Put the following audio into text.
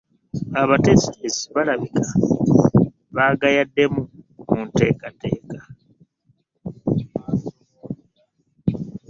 Abateesiteesi balabika baagayaddemu mu ntegeka.